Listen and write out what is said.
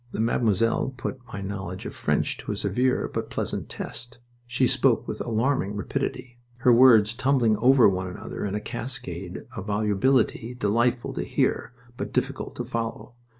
and Mademoiselle put my knowledge of French to a severe but pleasant test. She spoke with alarming rapidity, her words tumbling over one another in a cascade of volubility delightful to hear but difficult to follow.